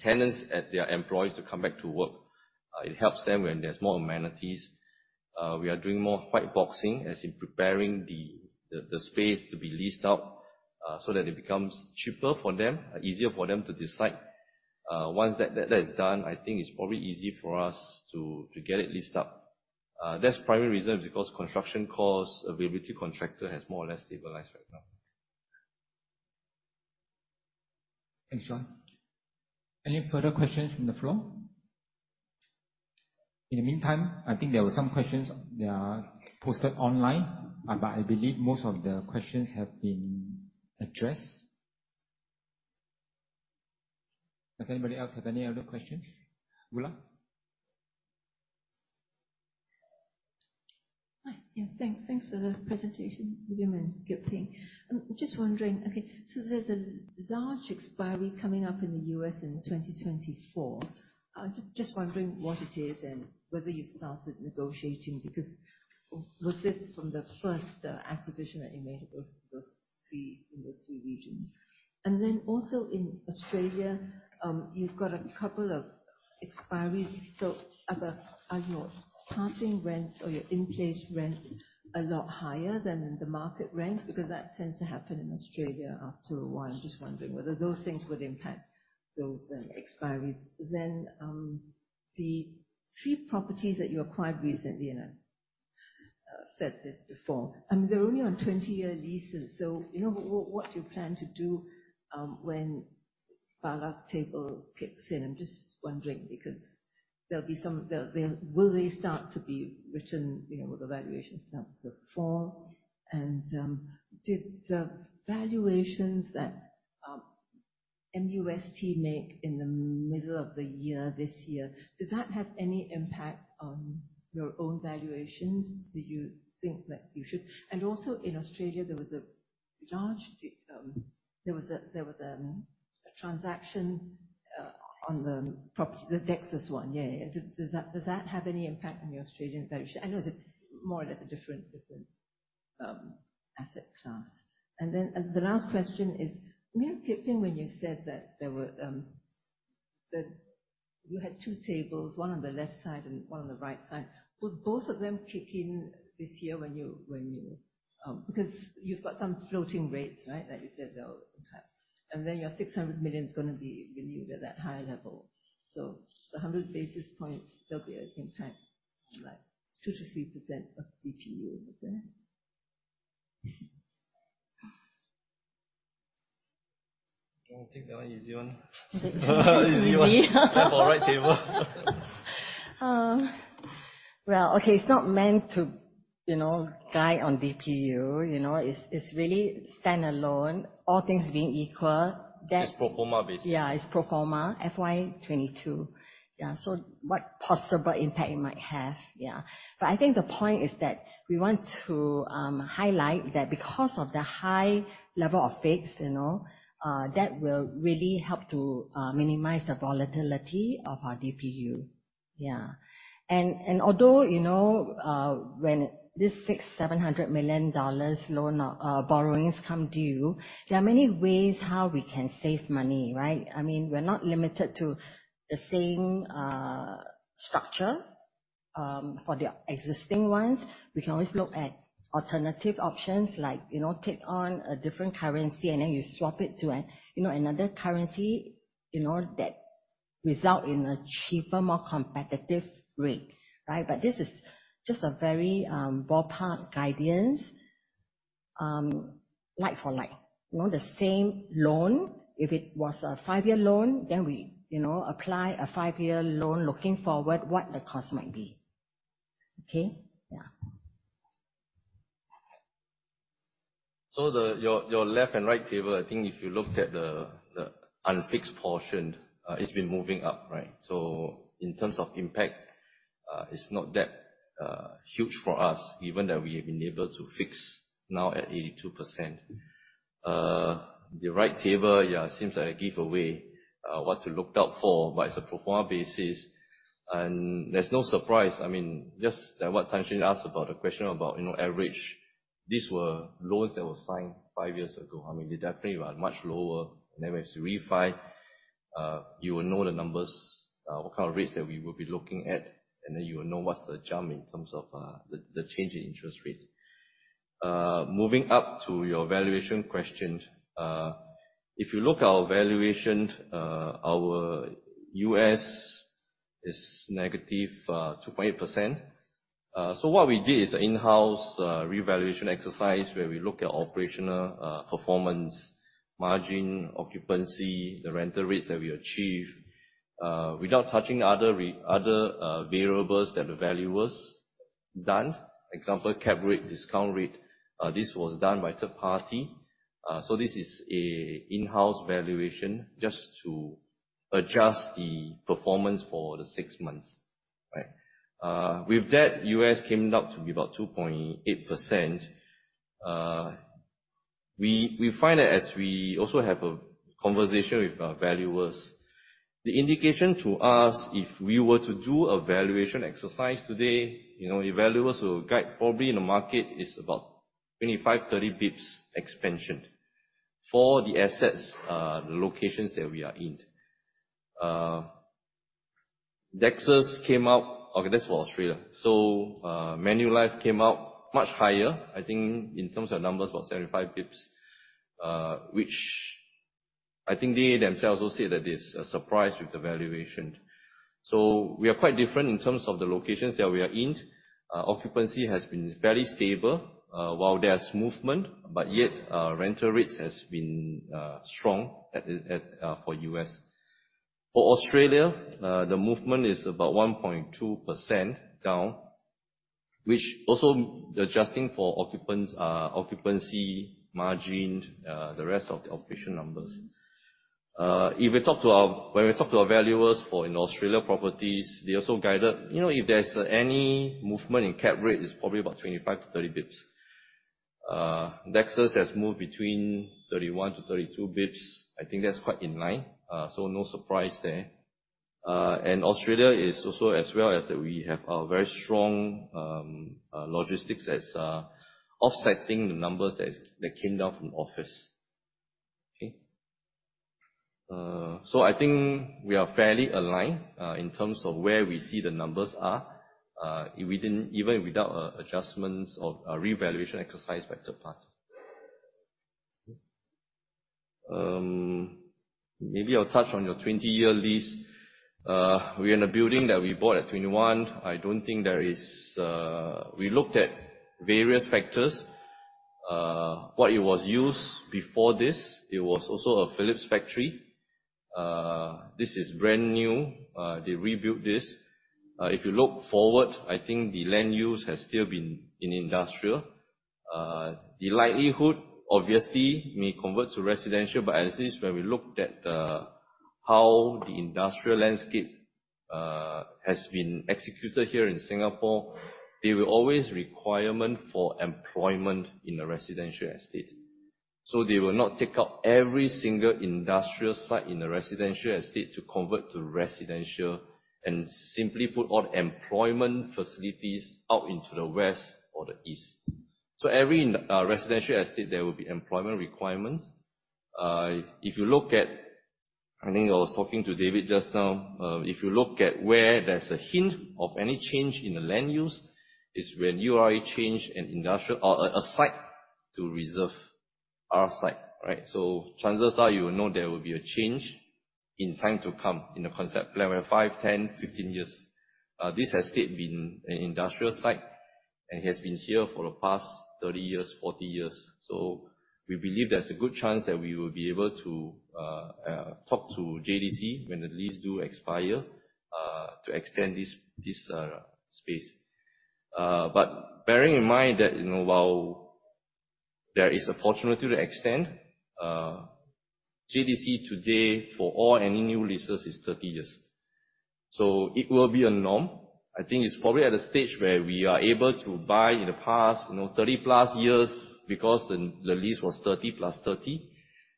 Tenants and their employees to come back to work. It helps them when there's more amenities. We are doing more white boxing as in preparing the space to be leased out, so that it becomes cheaper for them, easier for them to decide. Once that is done, I think it's probably easy for us to get it leased out. That's the primary reason because construction cost availability contractor has more or less stabilized right now. Thanks, Joan. Any further questions from the floor? In the meantime, I think there were some questions that are posted online, but I believe most of the questions have been addressed. Does anybody else have any other questions? Willa? Hi. Yeah. Thanks for the presentation, William and Kit Peng. Just wondering, okay, there's a large expiry coming up in the U.S. in 2024. Just wondering what it is and whether you started negotiating, because was this from the first acquisition that you made in those three regions? Also in Australia, you've got a couple of expiries. Are your passing rents or your in-place rent a lot higher than the market rent? Because that tends to happen in Australia after a while. I'm just wondering whether those things would impact those expiries. Said this before. They're only on 20-year leases, so what's your plan to do when Basel III kicks in? I'm just wondering because will they start to be written, will the valuations start to fall? Did the valuations that MUST make in the middle of the year this year, did that have any impact on your own valuations? Do you think that you should-- Also in Australia there was a transaction on the property, the Dexus one. Yeah. Does that have any impact on your Australian valuation? I know it's more or less a different asset class. The last question is, were you thinking when you said that you had two tables, one on the left side and one on the right side. Would both of them kick in this year when you Because you've got some floating rates, right? Like you said, they all impact, and then your 600 million is going to be renewed at that high level. 100 basis points, there'll be an impact on 2%-3% of DPUs. Is that it? I'll take that one easy one. Easy one. Left or right table. Well, okay. It's not meant to guide on DPU, it's really standalone. All things being equal, then- It's pro forma basis. It's pro forma FY 2022. What possible impact it might have. I think the point is that we want to highlight that because of the high level of fixed, that will really help to minimize the volatility of our DPU. Although, when this 600 million dollars, 700 million dollars loan borrowings come due, there are many ways how we can save money, right? We're not limited to the same structure for the existing ones. We can always look at alternative options like, take on a different currency and then you swap it to another currency that result in a cheaper, more competitive rate. Right. This is just a very ballpark guidance. Like for like, the same loan, if it was a five-year loan, then we apply a five-year loan looking forward what the cost might be. Okay. Your left and right table, I think if you looked at the unfixed portion, it's been moving up, right? In terms of impact, it's not that huge for us given that we have been able to fix now at 82%. The right table seems like a giveaway what to look out for, but it's a pro forma basis and there's no surprise. Just what SanShea asked about the question about average. These were loans that were signed five years ago. They definitely were much lower and then we have to refi. You will know the numbers, what kind of rates that we will be looking at, and then you will know what's the jump in terms of the change in interest rates. Moving up to your valuation question. If you look our valuation, our U.S. is -2.8%. What we did is an in-house revaluation exercise where we look at operational performance margin, occupancy, the rental rates that we achieve. Without touching other variables that the value was done. Example, capitalization rate, discount rate, this was done by third party. This is a in-house valuation just to adjust the performance for the six months. Right. With that, U.S. came up to be about 2.8%. We find that as we also have a conversation with our valuers, the indication to us if we were to do a valuation exercise today, valuers will guide probably in the market is about 25, 30 basis points expansion for the assets, the locations that we are in. Dexus came out, okay, that's for Australia. Manulife came out much higher, I think in terms of numbers, about 75 basis points, which I think they themselves also say that there's a surprise with the valuation. We are quite different in terms of the locations that we are in. Occupancy has been fairly stable while there's movement, but yet rental rates has been strong for U.S. For Australia, the movement is about 1.2% down, which also adjusting for occupancy, margin, the rest of the occupancy numbers. When we talk to our valuers for in Australia properties, they also guided, if there's any movement in capitalization rate, it's probably about 25 to 30 basis points. Dexus has moved between 31 to 32 basis points. I think that's quite in line. No surprise there. Australia is also as well as that we have a very strong logistics as offsetting the numbers that came down from office. Okay. I think we are fairly aligned, in terms of where we see the numbers are. Even without adjustments of a revaluation exercise by third party. Maybe I'll touch on your 20-year lease. We're in a building that we bought in 2021. We looked at various factors. What it was used before this, it was also a Philips factory. This is brand new. They rebuilt this. If you look forward, I think the land use has still been in industrial. The likelihood, obviously, may convert to residential, but as is, when we looked at how the industrial landscape has been executed here in Singapore, there will always requirement for employment in a residential estate. They will not take out every single industrial site in the residential estate to convert to residential and simply put all employment facilities out into the west or the east. Every residential estate there will be employment requirements. I think I was talking to David just now. If you look at where there's a hint of any change in the land use, it's when you are a change in industrial or a site to reserve our site, right? Chances are you know there will be a change in time to come in the concept plan, where five, 10, 15 years. This has still been an industrial site and has been here for the past 30 years, 40 years. We believe there's a good chance that we will be able to talk to JTC when the lease do expire, to extend this space. Bearing in mind that while there is a opportunity to extend, JTC today for all any new leases is 30 years. It will be a norm. I think it's probably at a stage where we are able to buy in the past, 30 plus years because the lease was 30 plus 30.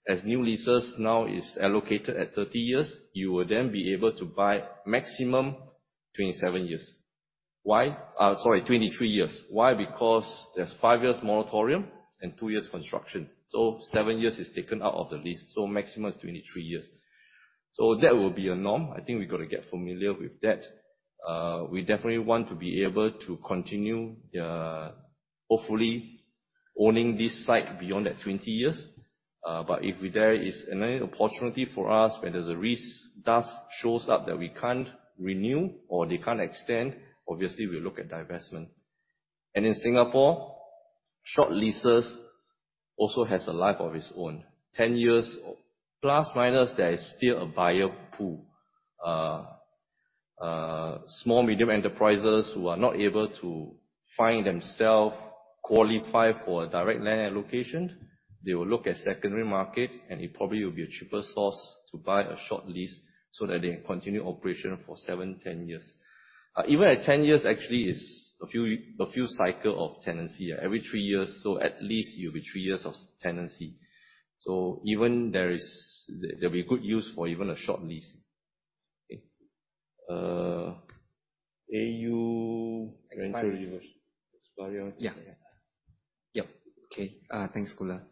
As new leases now is allocated at 30 years, you will then be able to buy maximum 27 years. Why? Sorry, 23 years. Why? Because there's five years moratorium and two years construction. Seven years is taken out of the lease, so maximum is 23 years. That will be a norm. I think we got to get familiar with that. We definitely want to be able to continue, hopefully owning this site beyond that 20 years. If there is an opportunity for us where there's a risk that shows up that we can't renew or they can't extend, obviously we'll look at divestment. In Singapore, short leases also has a life of its own. 10 years, plus minus, there is still a buyer pool. Small medium enterprises who are not able to find themselves qualified for a direct land allocation, they will look at secondary market, and it probably will be a cheaper source to buy a short lease so that they can continue operation for 7, 10 years. Even at 10 years, actually is a few cycle of tenancy. Every 3 years, so at least it will be 3 years of tenancy. There will be good use for even a short lease. AU rental reversion expiry. Okay, thanks, William.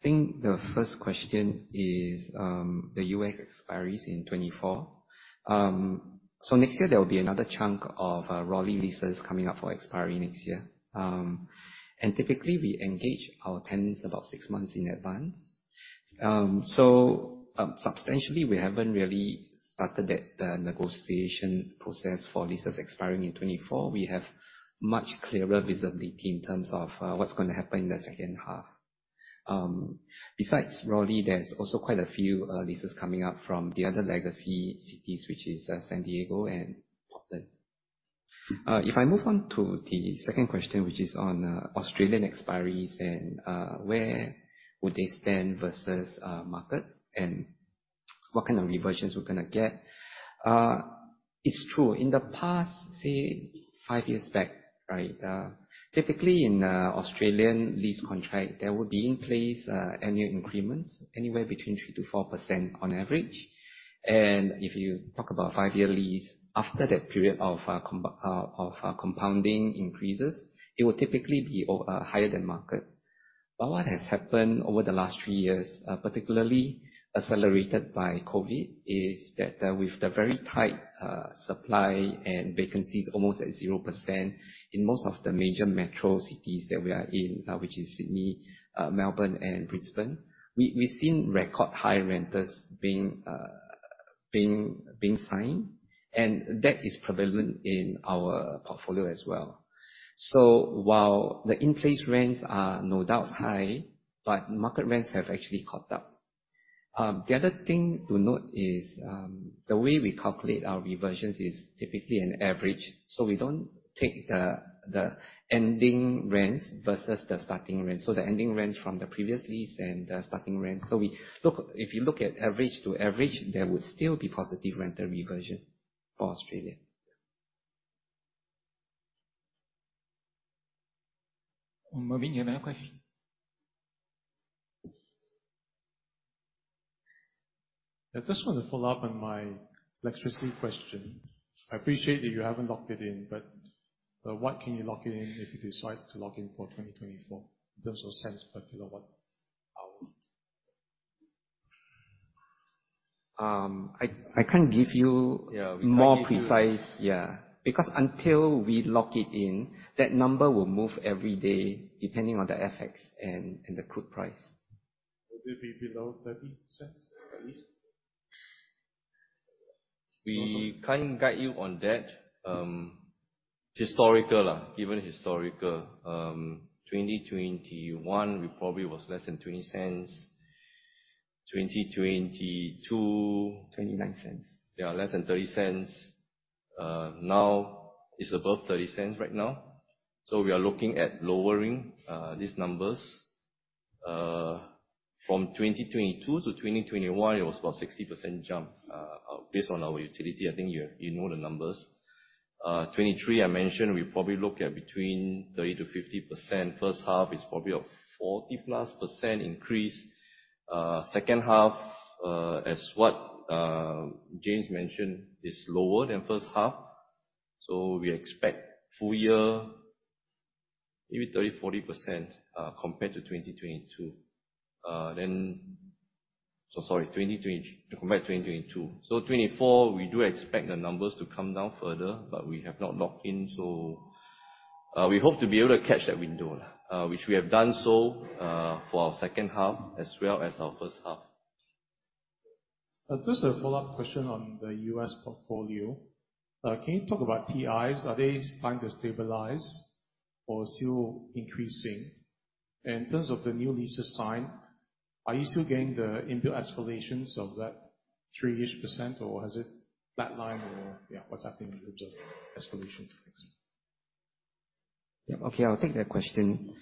I think the first question is the U.S. expiries in 2024. Next year, there will be another chunk of Raleigh leases coming up for expiry next year. Typically, we engage our tenants about 6 months in advance. Substantially, we haven't really started the negotiation process for leases expiring in 2024. We have much clearer visibility in terms of what's going to happen in the second half. Besides Raleigh, there's also quite a few leases coming up from the other legacy cities, which is San Diego and Portland. If I move on to the second question, which is on Australian expiries and where would they stand versus market, and what kind of reversions we're going to get. It's true. In the past, say, 5 years back. Typically, in an Australian lease contract, there will be in place annual increments anywhere between 3%-4% on average. If you talk about 5-year lease, after that period of compounding increases, it will typically be higher than market. What has happened over the last 3 years, particularly accelerated by COVID, is that with the very tight supply and vacancies almost at 0% in most of the major metro cities that we are in, which is Sydney, Melbourne, and Brisbane, we've seen record high renters being signed, and that is prevalent in our portfolio as well. While the in-place rents are no doubt high, but market rents have actually caught up. The other thing to note is the way we calculate our reversions is typically an average. We don't take the ending rents versus the starting rent. The ending rents from the previous lease and the starting rent. If you look at average to average, there would still be positive rental reversion for Australia. Mervin, you have another question? I just want to follow up on my electricity question. I appreciate that you haven't locked it in, but what can you lock in if you decide to lock in for 2024 in terms of cents per kilowatt hour? I can't give you more precise. Until we lock it in, that number will move every day depending on the FX and the crude price. Will it be below 0.30 at least? We can't guide you on that. Historical, given historical, 2021, we probably was less than 0.20. 2022 0.29. Yeah, less than 0.30. Now, it's above 0.30 right now. We are looking at lowering these numbers. From 2022 to 2021, it was about 60% jump based on our utility. I think you know the numbers. 2023, I mentioned, we probably look at between 30%-50%. First half is probably a 40+% increase. Second half, as what James mentioned, is lower than first half. We expect full year, maybe 30%-40%, compared to 2022. 2024, we do expect the numbers to come down further, but we have not locked in. We hope to be able to catch that window, which we have done so for our second half as well as our first half. Just a follow-up question on the U.S. portfolio. Can you talk about TIs? Are they starting to stabilize or still increasing? In terms of the new leases signed, are you still getting the inbuilt escalations of that 3-ish%, or has it flatlined? Yeah, what's happening in terms of escalations? Thanks. Okay, I'll take that question.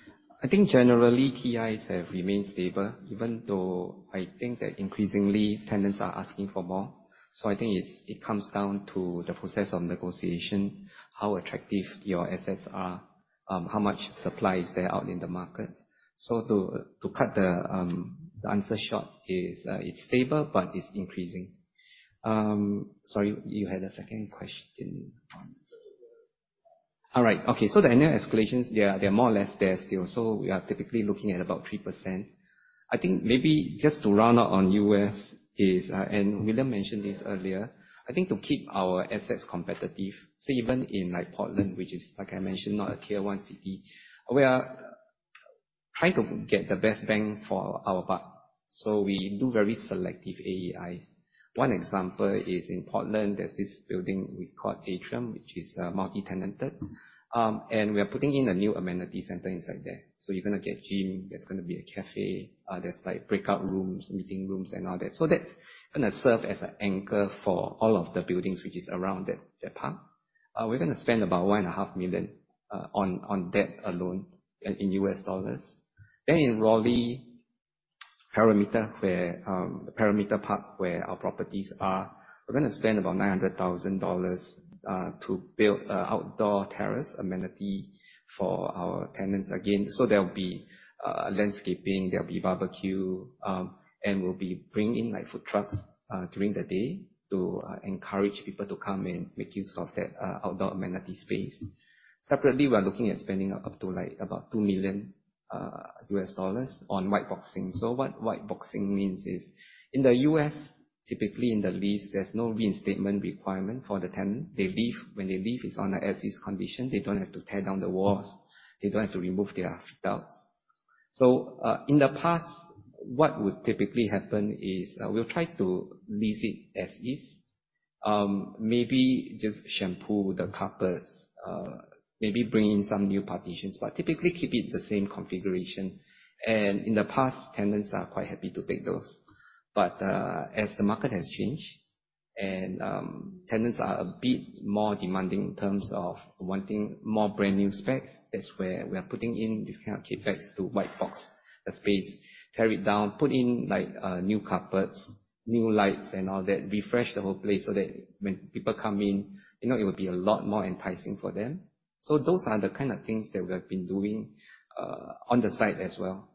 I think generally, TIs have remained stable even though increasingly tenants are asking for more. It comes down to the process of negotiation, how attractive your assets are, how much supply is there out in the market. To cut the answer short is, it's stable but it's increasing. Sorry, you had a second question on All right. Okay. The annual escalations, they're more or less there still. We are typically looking at about 3%. To keep our assets competitive, even in Portland, which is, like I mentioned, not a tier 1 city, we are trying to get the best bang for our buck. We do very selective AEIs. One example is in Portland, there's this building we call Atrium, which is multi-tenanted. We are putting in a new amenity center inside there. You're going to get gym, there's going to be a cafe, there's breakout rooms, meeting rooms, and all that. That's going to serve as an anchor for all of the buildings which is around that park. We're going to spend about $1.5 million on that alone in US dollars. In Raleigh, Perimeter Park, where our properties are, we're going to spend about $900,000 to build an outdoor terrace amenity for our tenants again. There'll be landscaping, there'll be barbecue, and we'll be bringing food trucks during the day to encourage people to come and make use of that outdoor amenity space. Separately, we are looking at spending up to about $2 million on white boxing. What white boxing means is, in the U.S., typically in the lease, there's no reinstatement requirement for the tenant. When they leave, it's on an as-is condition. They don't have to tear down the walls. They don't have to remove their fit outs. In the past, what would typically happen is, we'll try to lease it as is. Maybe just shampoo the carpets, maybe bring in some new partitions, but typically keep it the same configuration. In the past, tenants are quite happy to take those. As the market has changed and tenants are a bit more demanding in terms of wanting more brand-new specs, that's where we are putting in this kind of CapEx to white box the space, tear it down, put in new carpets, new lights and all that, refresh the whole place so that when people come in, it would be a lot more enticing for them. Those are the kind of things that we have been doing on the side as well,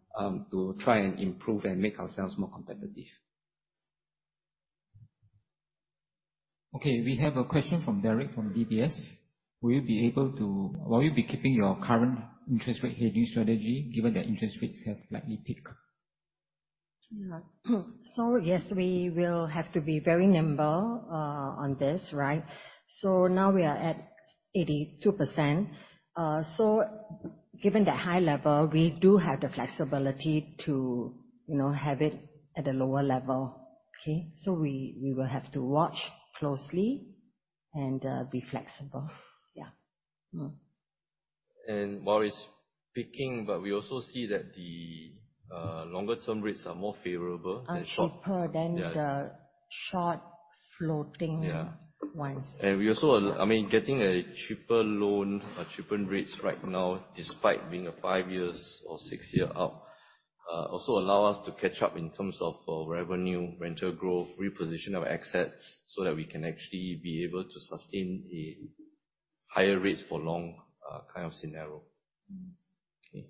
to try and improve and make ourselves more competitive. Okay. We have a question from Derek from DBS. Will you be keeping your current interest rate hedging strategy given that interest rates have likely peaked? Yeah. Yes, we will have to be very nimble on this, right? Now we are at 82%. Given that high level, we do have the flexibility to have it at a lower level. Okay. We will have to watch closely and be flexible. Yeah. Mm-hmm. While it's peaking, We also see that the longer-term rates are more favorable than short- Are cheaper than the short floating ones. Yeah. We also, getting a cheaper loan, cheaper rates right now despite being a five years or six year up, also allow us to catch up in terms of revenue, rental growth, reposition of assets, so that we can actually be able to sustain a higher rates for long kind of scenario. Okay.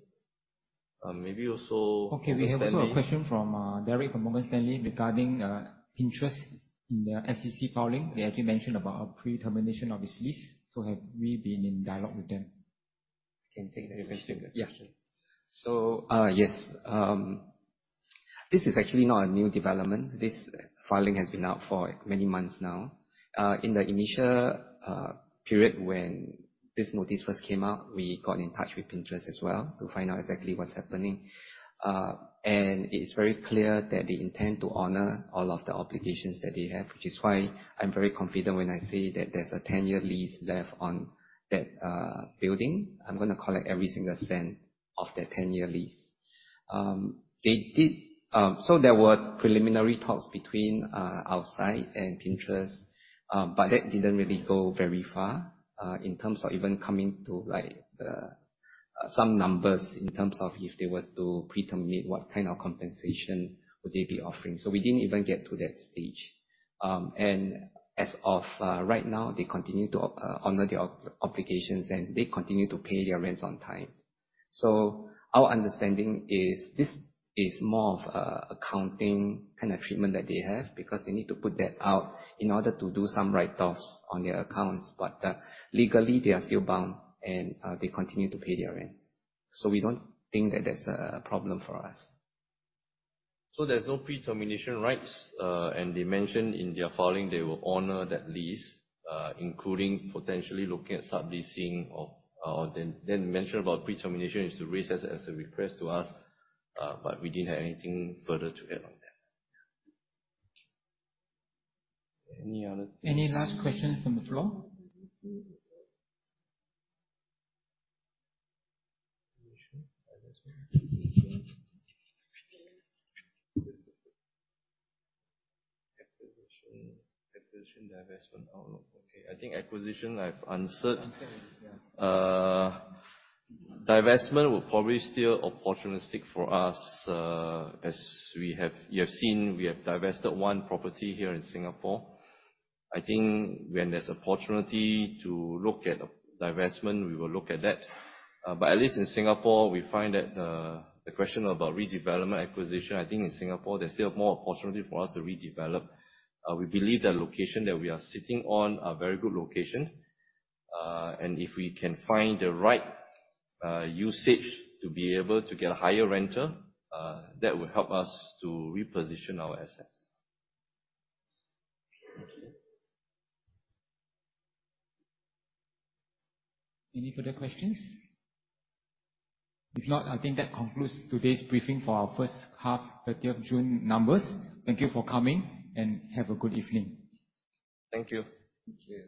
We have also a question from Derek from Morgan Stanley regarding Pinterest in their SEC filing. They actually mentioned about a pre-termination of this lease. Have we been in dialogue with them? Can take that question. Yeah. Yes. This is actually not a new development. This filing has been out for many months now. In the initial period when this notice first came out, we got in touch with Pinterest as well to find out exactly what's happening. It's very clear that they intend to honor all of the obligations that they have, which is why I'm very confident when I say that there's a 10-year lease left on that building. I'm going to collect every single cent of that 10-year lease. There were preliminary talks between our side and Pinterest, but that didn't really go very far in terms of even coming to some numbers in terms of if they were to pre-terminate, what kind of compensation would they be offering. We didn't even get to that stage. As of right now, they continue to honor their obligations, and they continue to pay their rents on time. Our understanding is this is more of an accounting kind of treatment that they have, because they need to put that out in order to do some write-offs on their accounts. Legally, they are still bound, and they continue to pay their rents. We don't think that that's a problem for us. There's no pre-termination rights. They mentioned in their filing they will honor that lease, including potentially looking at subleasing or mention about pre-termination is to raise as a request to us. We didn't have anything further to add on that. Any other- Any last question from the floor? Acquisition, divestment. Oh, look. Okay. I think acquisition I've answered. Okay. Yeah. Divestment will probably still opportunistic for us. As you have seen, we have divested one property here in Singapore. I think when there's opportunity to look at a divestment, we will look at that. At least in Singapore, we find that the question about redevelopment acquisition, I think in Singapore, there's still more opportunity for us to redevelop. We believe the location that we are sitting on are very good location. If we can find the right usage to be able to get a higher renter, that would help us to reposition our assets. Thank you. Any further questions? If not, I think that concludes today's briefing for our first half, 30th June numbers. Thank you for coming, and have a good evening. Thank you. Thank you.